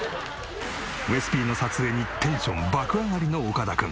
ウエスＰの撮影にテンション爆上がりの岡田君。